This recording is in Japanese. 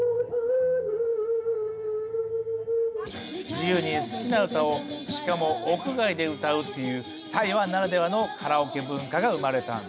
自由に好きな歌をしかも屋外で歌うっていう台湾ならではのカラオケ文化が生まれたんだ。